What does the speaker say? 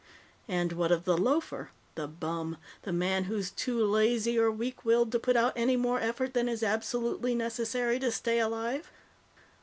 And what of the loafer, the bum, the man who's too lazy or weak willed to put out any more effort than is absolutely necessary to stay alive?